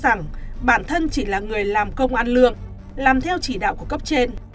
và cho rằng bản thân chỉ là người làm công ăn lương làm theo chỉ đạo của cấp trên